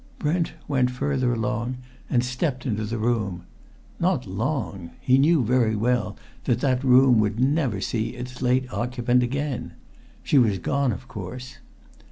Brent went further along and stepped into the room. Not long? He knew very well that that room would never see its late occupant again! She was gone of course.